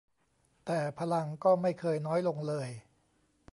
แต่พลังก็ไม่เคยน้อยลงเลย